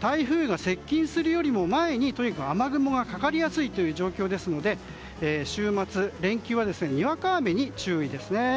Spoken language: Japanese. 台風が接近するよりも前にとにかく雨雲がかかりやすいという状況ですので週末、連休はにわか雨に注意ですね。